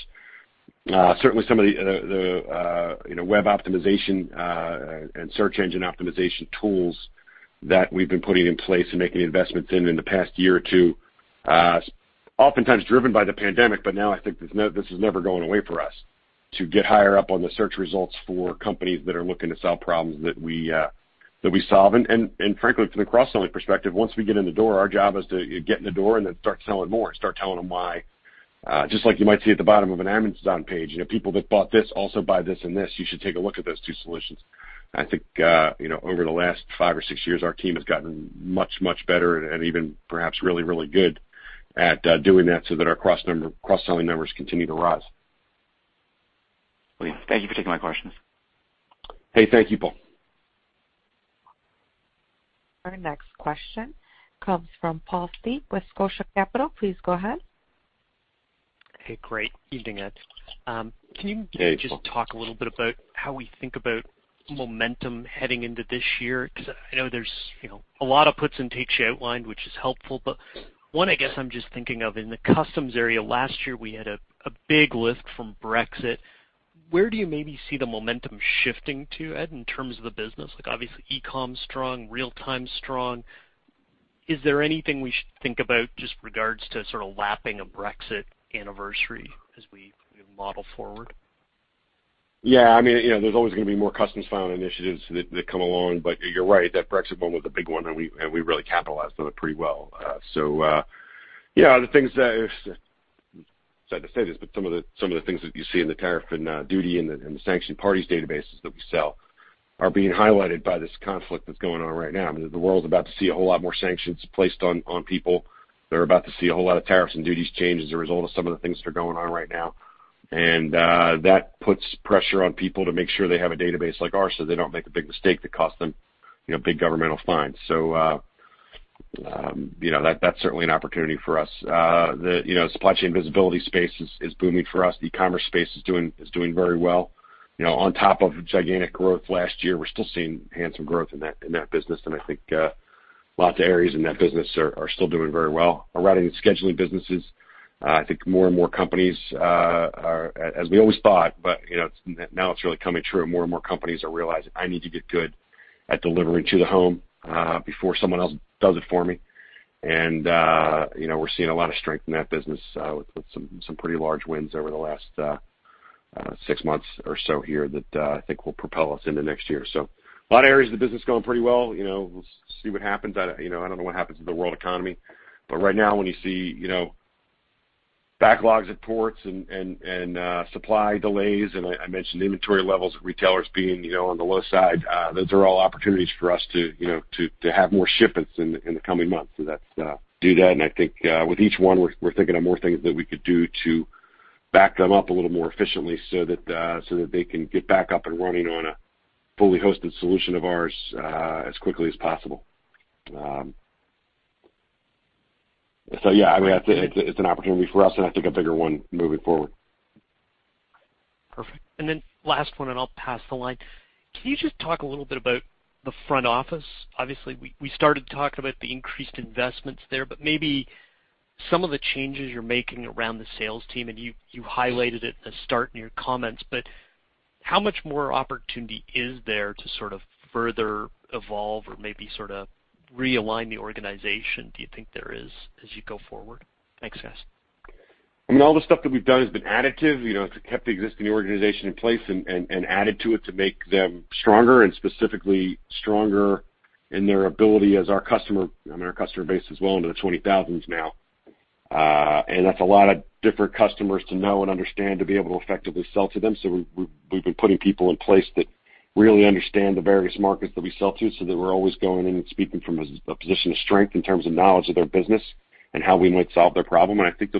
Certainly some of the web optimization and Search Engine Optimization tools that we've been putting in place and making investments in in the past year or two. Oftentimes driven by the pandemic, but now I think this is never going away for us to get higher up on the search results for companies that are looking to solve problems that we solve. Frankly, from the cross-selling perspective, once we get in the door, our job is to get in the door and then start selling more and start telling them why. Just like you might see at the bottom of an Amazon page, you know, people that bought this also buy this and this. You should take a look at those two solutions. I think, you know, over the last five or six years, our team has gotten much better and even perhaps really good at doing that so that our cross-selling numbers continue to rise. Great. Thank you for taking my questions. Hey, thank you, Paul. Our next question comes from Paul Steep with Scotia Capital. Please go ahead. Hey, great evening, Ed. Can you- Hey, Paul. Just talk a little bit about how we think about momentum heading into this year. 'Cause I know there's, you know, a lot of puts and takes you outlined, which is helpful. One, I guess I'm just thinking of in the customs area last year, we had a big lift from Brexit. Where do you maybe see the momentum shifting to, Ed, in terms of the business? Like, obviously, e-com's strong, real-times strong. Is there anything we should think about just regards to sort of lapping a Brexit anniversary as we model forward? Yeah. I mean, you know, there's always gonna be more customs filing initiatives that come along. You're right, that Brexit one was a big one, and we really capitalized on it pretty well. Sad to say this, but some of the things that you see in the tariff and duty and the sanctioned parties databases that we sell are being highlighted by this conflict that's going on right now. I mean, the world's about to see a whole lot more sanctions placed on people. They're about to see a whole lot of tariffs and duties change as a result of some of the things that are going on right now. That puts pressure on people to make sure they have a database like ours, so they don't make a big mistake that costs them, you know, big governmental fines. That's certainly an opportunity for us. The supply chain visibility space is booming for us. The e-commerce space is doing very well. You know, on top of gigantic growth last year, we're still seeing handsome growth in that business. I think lots of areas in that business are still doing very well. Our routing and scheduling businesses, I think more and more companies are as we always thought, but, you know, it's now really coming true. More and more companies are realizing I need to get good at delivering to the home before someone else does it for me. You know, we're seeing a lot of strength in that business with some pretty large wins over the last six months or so here that I think will propel us into next year. A lot of areas of the business going pretty well. You know, we'll see what happens. You know, I don't know what happens to the world economy. Right now, when you see you know backlogs at ports and supply delays, and I mentioned the inventory levels of retailers being you know on the low side, those are all opportunities for us to you know have more shipments in the coming months. I think with each one, we're thinking of more things that we could do to back them up a little more efficiently so that they can get back up and running on a fully hosted solution of ours as quickly as possible. Yeah, I mean, it's an opportunity for us and I think a bigger one moving forward. Perfect. Last one, and I'll pass the line. Can you just talk a little bit about the front office? Obviously, we started to talk about the increased investments there. But maybe some of the changes you're making around the sales team, and you highlighted it at the start in your comments, but how much more opportunity is there to sort of further evolve or maybe sort of realign the organization, do you think there is as you go forward? Thanks, guys. I mean, all the stuff that we've done has been additive. You know, it's kept the existing organization in place and added to it to make them stronger and specifically stronger in their ability as our customer. I mean, our customer base is well into the 20,000s now. That's a lot of different customers to know and understand to be able to effectively sell to them. We've been putting people in place that really understand the various markets that we sell to, so that we're always going in and speaking from a position of strength in terms of knowledge of their business and how we might solve their problem. I think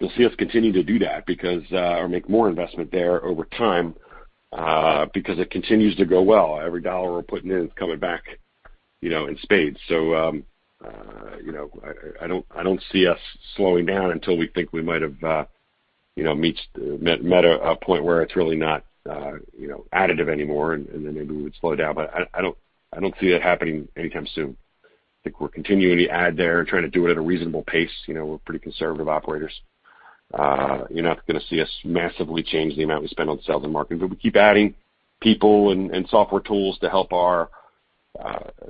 you'll see us continue to do that because, or make more investment there over time, because it continues to go well. Every dollar we're putting in is coming back, you know, in spades. You know, I don't see us slowing down until we think we might have met a point where it's really not, you know, additive anymore, and then maybe we would slow down. I don't see that happening anytime soon. I think we're continuing to add there and trying to do it at a reasonable pace. You know, we're pretty conservative operators. You're not gonna see us massively change the amount we spend on sales and marketing, but we keep adding people and software tools to help our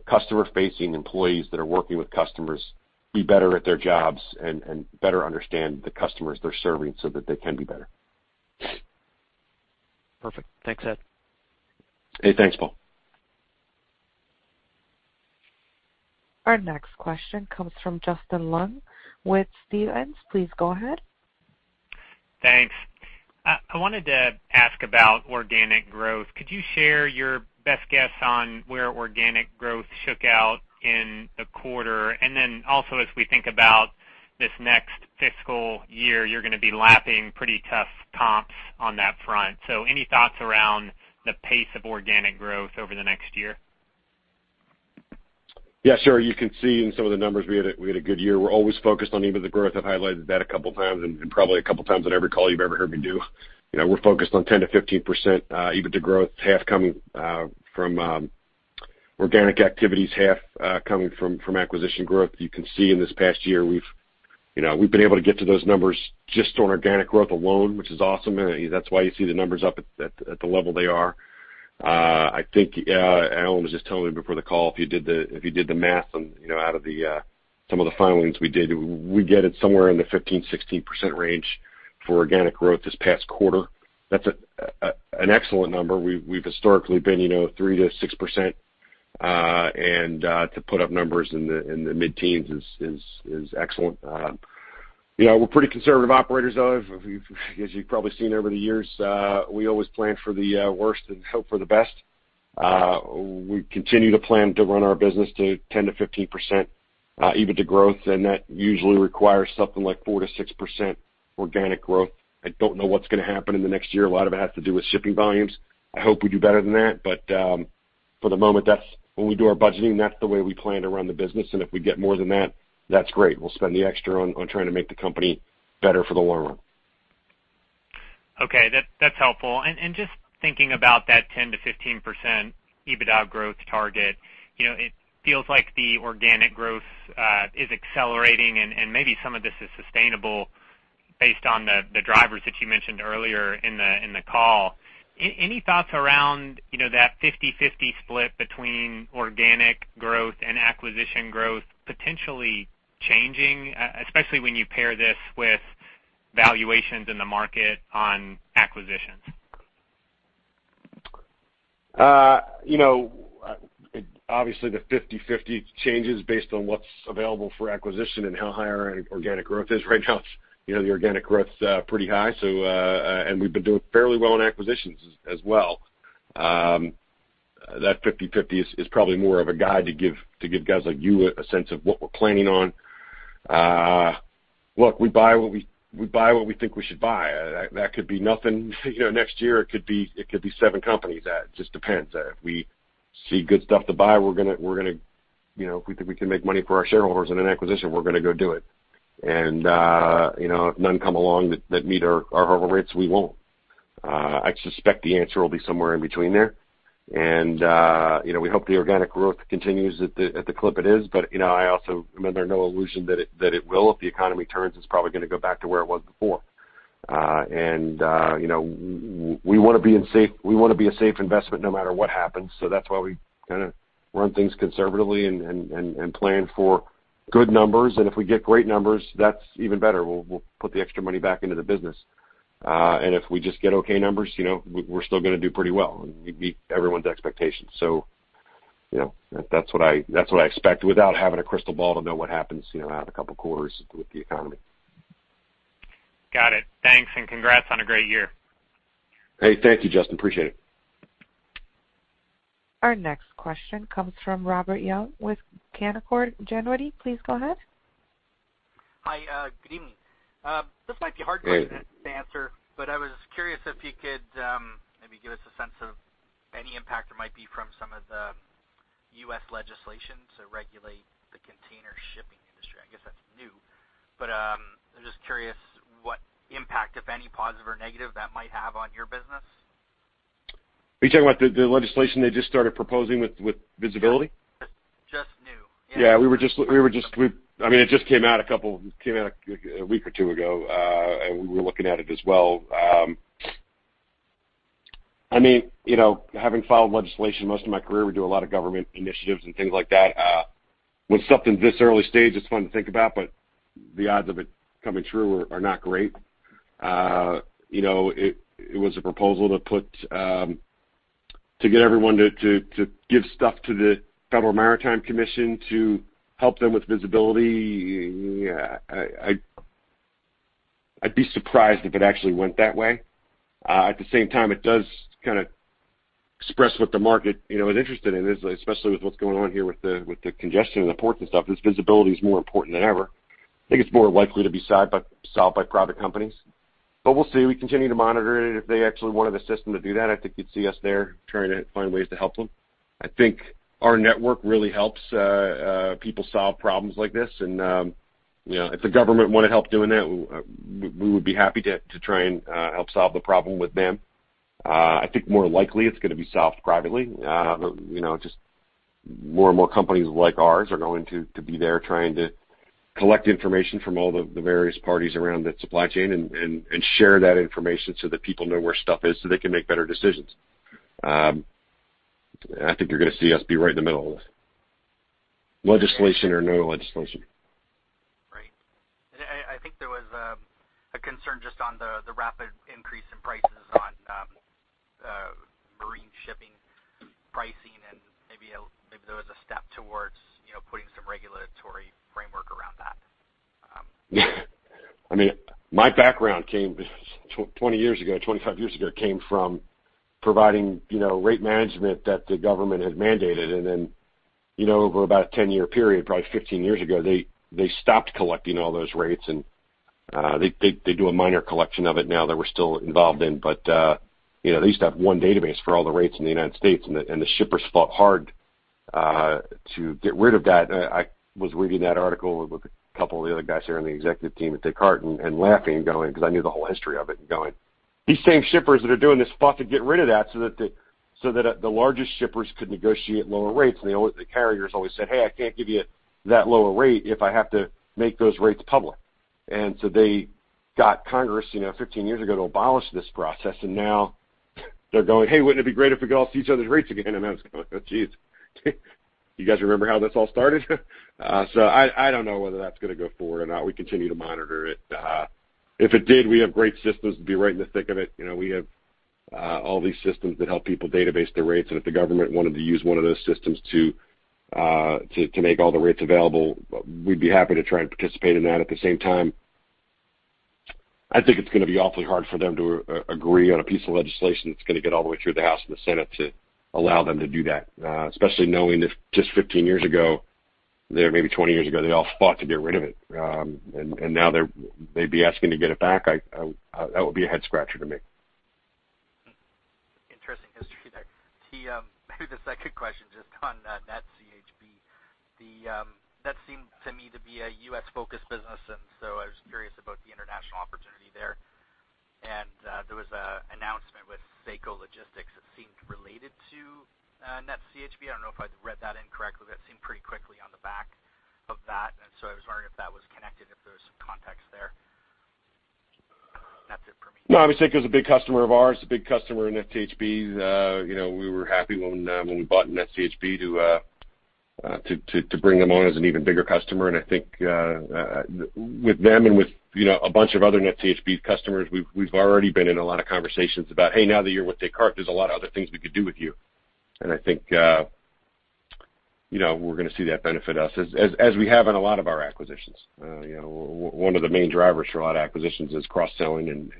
customer-facing employees that are working with customers be better at their jobs and better understand the customers they're serving so that they can be better. Perfect. Thanks, Ed. Hey, thanks, Paul. Our next question comes from Justin Long with Stephens. Please go ahead. Thanks. I wanted to ask about organic growth. Could you share your best guess on where organic growth shook out in the quarter? Then also, as we think about this next fiscal year, you're gonna be lapping pretty tough comps on that front. Any thoughts around the pace of organic growth over the next year? Yeah, sure. You can see in some of the numbers we had a good year. We're always focused on EBITDA growth. I've highlighted that a couple times and probably a couple times on every call you've ever heard me do. You know, we're focused on 10% to 15% EBITDA growth, half coming from organic activities, half coming from acquisition growth. You can see in this past year we've. You know, we've been able to get to those numbers just on organic growth alone, which is awesome. That's why you see the numbers up at the level they are. I think, Allan was just telling me before the call, if you did the math on, you know, out of some of the filings we did, we get it somewhere in the 15% to 16% range for organic growth this past quarter. That's an excellent number. We've historically been, you know, 3% to 6%, and to put up numbers in the mid-teens is excellent. You know, we're pretty conservative operators, though. As you've probably seen over the years, we always plan for the worst and hope for the best. We continue to plan to run our business to 10% to 15% EBITDA growth, and that usually requires something like 4% to 6% organic growth. I don't know what's going to happen in the next year. A lot of it has to do with shipping volumes. I hope we do better than that, but for the moment, that's when we do our budgeting, that's the way we plan to run the business. If we get more than that's great. We'll spend the extra on trying to make the company better for the long run. Okay. That's helpful. Just thinking about that 10% to 15% EBITDA growth target, you know, it feels like the organic growth is accelerating, and maybe some of this is sustainable based on the drivers that you mentioned earlier in the call. Any thoughts around, you know, that 50/50 split between organic growth and acquisition growth potentially changing, especially when you pair this with valuations in the market on acquisitions? You know, obviously, the 50/50 changes based on what's available for acquisition and how high our organic growth is right now. You know, the organic growth is pretty high. We've been doing fairly well in acquisitions as well. That 50/50 is probably more of a guide to give guys like you a sense of what we're planning on. Look, we buy what we think we should buy. That could be nothing, you know, next year. It could be seven companies. It just depends. If we see good stuff to buy, we're gonna, you know, if we think we can make money for our shareholders in an acquisition, we're gonna go do it. You know, if none come along that meet our hurdle rates, we won't. I suspect the answer will be somewhere in between there. You know, we hope the organic growth continues at the clip it is. You know, I also am under no illusion that it will. If the economy turns, it's probably gonna go back to where it was before. You know, we wanna be a safe investment no matter what happens. That's why we kind of run things conservatively and plan for good numbers. If we get great numbers, that's even better. We'll put the extra money back into the business. If we just get okay numbers, you know, we're still gonna do pretty well and meet everyone's expectations. You know, that's what I expect without having a crystal ball to know what happens, you know, out a couple of quarters with the economy. Got it. Thanks, and congrats on a great year. Hey, thank you, Justin. Appreciate it. Our next question comes from Robert Young with Canaccord Genuity. Please go ahead. Hi. Good evening. This might be hard. Hey I was curious if you could maybe give us a sense of any impact there might be from some of the U.S. legislation to regulate the container shipping industry. I guess that's new. I'm just curious what impact, if any, positive or negative, that might have on your business. Are you talking about the legislation they just started proposing with visibility? Just new. Yeah. We were just looking at it as well. I mean, it just came out a week or two ago. I mean, you know, having filed legislation most of my career, we do a lot of government initiatives and things like that. When something this early stage, it's fun to think about, but the odds of it coming true are not great. You know, it was a proposal to get everyone to give stuff to the Federal Maritime Commission to help them with visibility. I'd be surprised if it actually went that way. At the same time, it does kinda express what the market, you know, is interested in, especially with what's going on here with the congestion in the ports and stuff. This visibility is more important than ever. I think it's more likely to be solved by private companies. We'll see. We continue to monitor it. If they actually wanted a system to do that, I think you'd see us there trying to find ways to help them. I think our network really helps people solve problems like this. You know, if the government want to help doing that, we would be happy to try and help solve the problem with them. I think more likely it's going to be solved privately. You know, just more and more companies like ours are going to be there trying to collect information from all the various parties around the supply chain and share that information so that people know where stuff is so they can make better decisions. I think you're going to see us be right in the middle of this, legislation or no legislation. Right. I think there was a concern just on the rapid increase in prices on marine shipping pricing, and maybe there was a step towards, you know, putting some regulatory framework around that I mean, my background came 20 years ago, 25 years ago, came from providing, you know, rate management that the government had mandated. Then, you know, over about a 10-year period, probably 15 years ago, they stopped collecting all those rates. They do a minor collection of it now that we're still involved in. You know, they used to have one database for all the rates in the United States, and the shippers fought hard to get rid of that. I was reading that article with a couple of the other guys here on the executive team at Descartes and laughing going, because I knew the whole history of it, and going, "These same shippers that are doing this fought to get rid of that so that the largest shippers could negotiate lower rates. They always, the carriers always said, "Hey, I can't give you that lower rate if I have to make those rates public." So they got Congress, you know, 15 years ago to abolish this process. Now they're going, "Hey, wouldn't it be great if we could all see each other's rates again?" I'm just going, "Oh, geez. You guys remember how this all started?" So I don't know whether that's gonna go forward or not. We continue to monitor it. If it did, we have great systems. We'd be right in the thick of it. You know, we have all these systems that help people database their rates. If the government wanted to use one of those systems to make all the rates available, we'd be happy to try and participate in that. At the same time, I think it's gonna be awfully hard for them to agree on a piece of legislation that's gonna get all the way through the House and the Senate to allow them to do that, especially knowing if just 15 years ago, there maybe 20 years ago, they all fought to get rid of it. Now they're, they'd be asking to get it back. That would be a head-scratcher to me. Interesting history there. Maybe the second question just on NetCHB. That seemed to me to be a U.S.-focused business, and so I was curious about the international opportunity there. There was an announcement with SEKO Logistics that seemed related to NetCHB. I don't know if I read that incorrectly. That seemed pretty quickly on the back of that. I was wondering if that was connected, if there was some context there. That's it for me. No, I would say it was a big customer of ours, a big customer in NetCHB. You know, we were happy when we bought NetCHB to bring them on as an even bigger customer. I think with them and with you know, a bunch of other NetCHB customers, we've already been in a lot of conversations about, "Hey, now that you're with Descartes, there's a lot of other things we could do with you." I think you know, we're gonna see that benefit us as we have in a lot of our acquisitions. You know, one of the main drivers for a lot of acquisitions is cross-selling,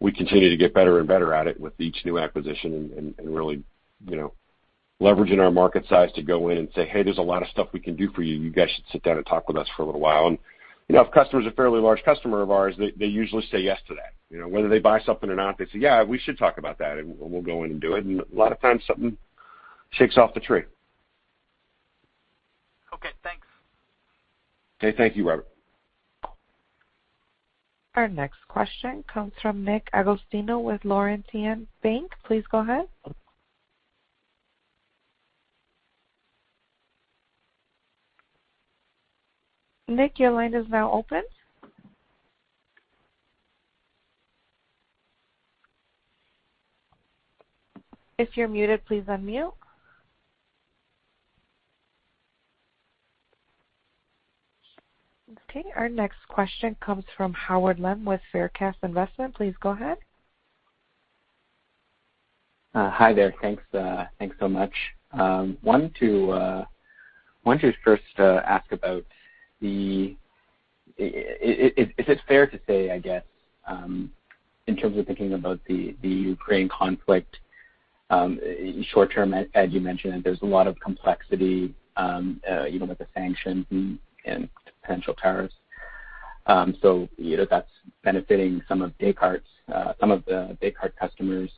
we continue to get better and better at it with each new acquisition and really, you know, leveraging our market size to go in and say, "Hey, there's a lot of stuff we can do for you. You guys should sit down and talk with us for a little while." You know, if a customer's a fairly large customer of ours, they usually say yes to that. You know, whether they buy something or not, they say, "Yeah, we should talk about that," and we'll go in and do it. A lot of times, something shakes off the tree. Okay, thanks. Okay, thank you, Robert. Our next question comes from Nick Agostino with Laurentian Bank. Please go ahead. Nick, your line is now open. If you're muted, please unmute. Okay, our next question comes from Howard Leung with Veritas Investment. Please go ahead. Hi there. Thanks so much. I wanted to just first ask about the Ukraine conflict. Is it fair to say, I guess, in terms of thinking about the Ukraine conflict, short term, as you mentioned, there's a lot of complexity, even with the sanctions and potential tariffs. You know, that's benefiting some of the Descartes customers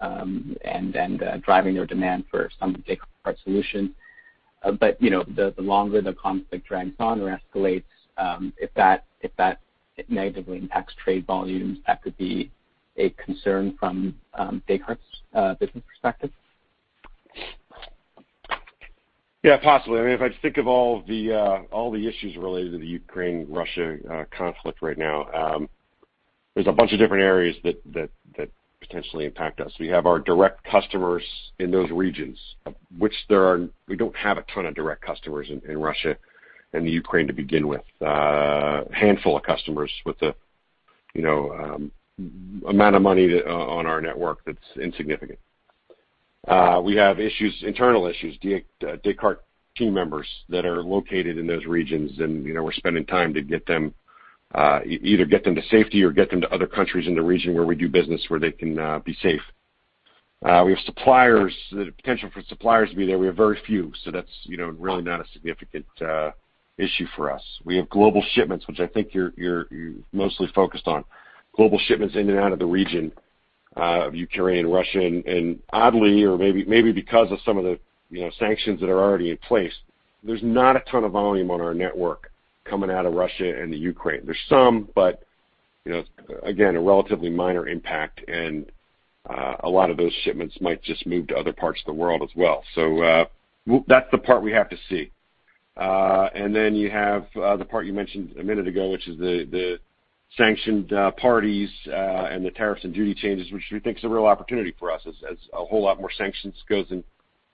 and driving their demand for some of Descartes solutions. You know, the longer the conflict drags on or escalates, if that negatively impacts trade volumes, that could be a concern from Descartes' business perspective. Yeah, possibly. I mean, if I just think of all the issues related to the Ukraine-Russia conflict right now, there's a bunch of different areas that potentially impact us. We have our direct customers in those regions. We don't have a ton of direct customers in Russia and the Ukraine to begin with. A handful of customers with the, you know, amount of money on our network that's insignificant. We have internal issues, Descartes team members that are located in those regions. And, you know, we're spending time to get them either to safety or get them to other countries in the region where we do business, where they can be safe. We have suppliers. The potential for suppliers to be there, we have very few. That's, you know, really not a significant issue for us. We have global shipments, which I think you're mostly focused on. Global shipments in and out of the region of Ukraine and Russia. Oddly or maybe because of some of the, you know, sanctions that are already in place, there's not a ton of volume on our network coming out of Russia and the Ukraine. There's some, but you know, again, a relatively minor impact. A lot of those shipments might just move to other parts of the world as well. That's the part we have to see. You have the part you mentioned a minute ago, which is the sanctioned parties and the tariffs and duty changes, which we think is a real opportunity for us as a whole lot more sanctions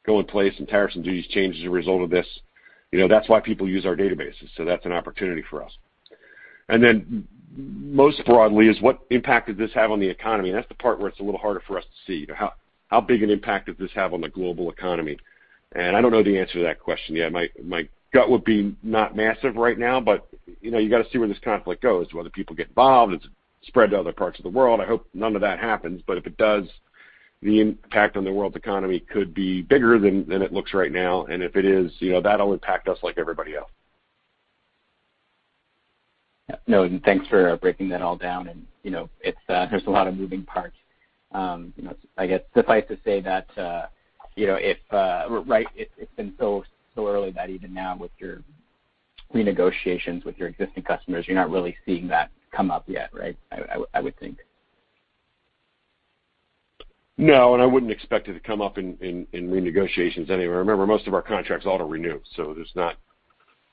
go in place and tariffs and duties change as a result of this. You know, that's why people use our databases. That's an opportunity for us. Most broadly is what impact does this have on the economy? That's the part where it's a little harder for us to see. How big an impact does this have on the global economy? I don't know the answer to that question yet. My gut would be not massive right now, but, you know, you got to see where this conflict goes, whether people get involved, it's spread to other parts of the world. I hope none of that happens, but if it does, the impact on the world economy could be bigger than it looks right now. If it is, you know, that'll impact us like everybody else. No, thanks for breaking that all down. You know, there's a lot of moving parts. You know, I guess suffice to say that, you know, right, it's been so early that even now with your renegotiations with your existing customers, you're not really seeing that come up yet, right? I would think. No, I wouldn't expect it to come up in renegotiations anyway. Remember, most of our contracts auto-renew, so we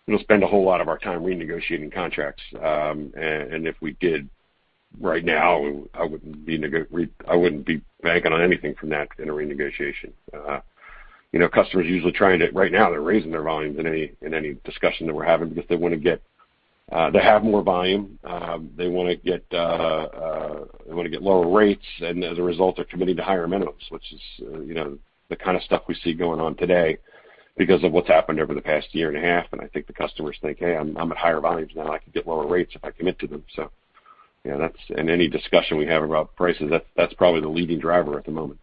don't spend a whole lot of our time renegotiating contracts. If we did right now, I wouldn't be banking on anything from that in a renegotiation. You know, right now customers are usually raising their volumes in any discussion that we're having because they wanna get to have more volume. They wanna get lower rates, and as a result, they're committing to higher minimums, which is, you know, the kind of stuff we see going on today because of what's happened over the past year and a half. I think the customers think, "Hey, I'm at higher volumes now. I can get lower rates if I commit to them." You know, that's in any discussion we have about prices, that's probably the leading driver at the moment.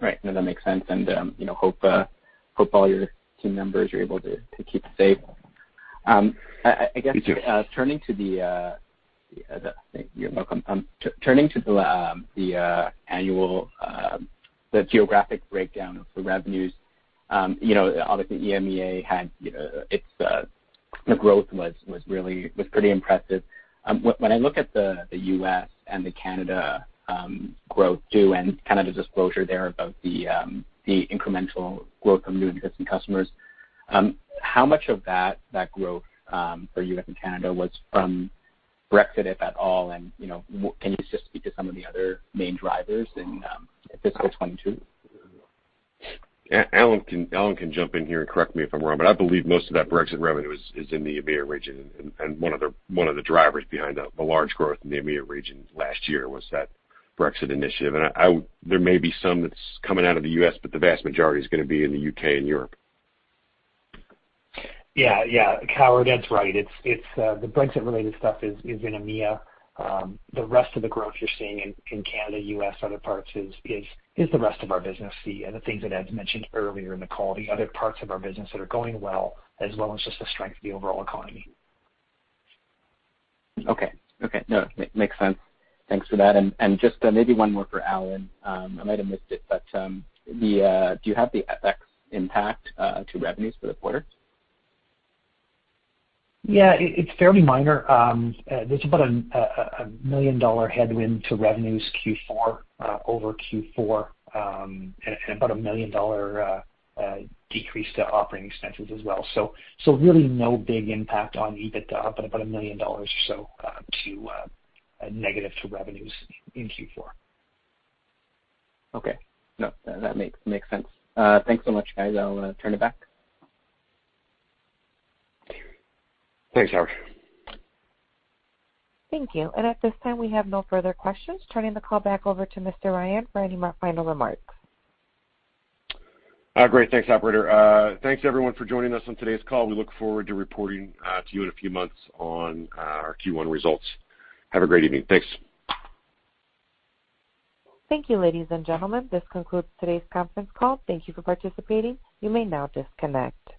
Right. No, that makes sense. You know, I hope all your team members are able to keep safe. I guess- You too. Thank you. You're welcome. Turning to the annual geographic breakdown of the revenues, you know, obviously the growth in EMEA was pretty impressive. When I look at the U.S. and Canada growth too, and kind of the disclosure there about the incremental growth from new and existing customers, how much of that growth for U.S. and Canada was from Brexit, if at all, and, you know, can you just speak to some of the other main drivers in fiscal 2022? Allan can jump in here and correct me if I'm wrong, but I believe most of that Brexit revenue is in the EMEA region. One of the drivers behind the large growth in the EMEA region last year was that Brexit initiative. There may be some that's coming out of the U.S., but the vast majority is gonna be in the U.K. and Europe. Yeah, Howard, Ed's right. It's the Brexit-related stuff is in EMEA. The rest of the growth you're seeing in Canada, U.S., other parts is the rest of our business, the things that Ed's mentioned earlier in the call, the other parts of our business that are going well, as well as just the strength of the overall economy. Okay. No, makes sense. Thanks for that. Just maybe one more for Allan. I might have missed it, but do you have the FX impact to revenues for the quarter? Yeah, it's fairly minor. There's about a $1 million headwind to revenues Q4 over Q4, and about a $1 million decrease to operating expenses as well. Really no big impact on EBITDA, but about $1 million or so negative to revenues in Q4. Okay. No, that makes sense. Thanks so much, guys. I'll turn it back. Thanks, Howard. Thank you. At this time, we have no further questions. Turning the call back over to Mr. Ryan for any final remarks. Great. Thanks, operator. Thanks everyone for joining us on today's call. We look forward to reporting to you in a few months on our Q1 results. Have a great evening. Thanks. Thank you, ladies and gentlemen. This concludes today's conference call. Thank you for participating. You may now disconnect.